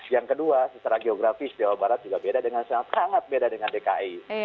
yang kedua secara geografis jawa barat juga beda dengan dki